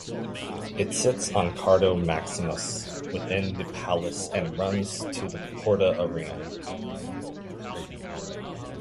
It sits on Cardo maximus within the palace and runs to the Porta Aenea.